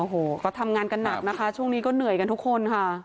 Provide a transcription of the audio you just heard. โอ้โหก็ทำงานกันหนักนะคะช่วงนี้ก็เหนื่อยกันทุกคนค่ะ